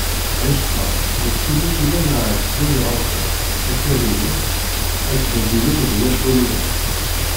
Ɛictar d tillut i llan ɛebbden yiɣerfan: Akkadiyen, At Babilun d Wacuṛiyen.